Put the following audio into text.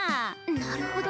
なるほど。